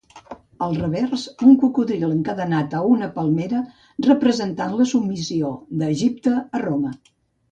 Al revers, un cocodril encadenat a una palmera representant la submissió d'Egipte a Roma.